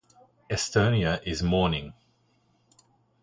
Estonia is mourning.